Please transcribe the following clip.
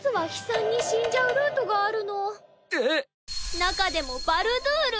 なかでもバルドゥール。